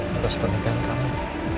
pusat papa adalah